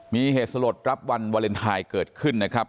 มีเหตุสลดรับวันวาเลนไทยเกิดขึ้นนะครับ